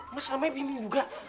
mas namanya bimbing juga